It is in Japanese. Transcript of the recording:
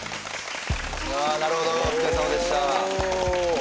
なるほどお疲れさまでした。